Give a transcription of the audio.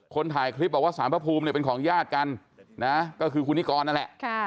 คนถ่ายคลิปบอกว่าสารพระภูมิเนี่ยเป็นของญาติกันนะก็คือคุณนิกรนั่นแหละ